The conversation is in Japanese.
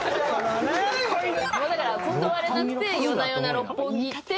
だから断れなくて夜な夜な六本木行って。